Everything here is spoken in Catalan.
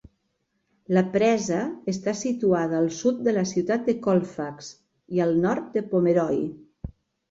La presa està situada al sud de la ciutat de Colfax, i al nord de Pomeroi.